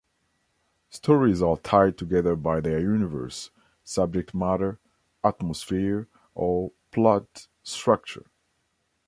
Stories are tied together by their universe, subject matter, atmosphere, or plot structure.